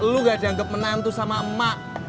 lu gak dianggap menantu sama emak